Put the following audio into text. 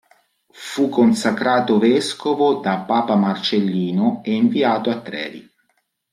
Fu consacrato vescovo da papa Marcellino e inviato a Trevi.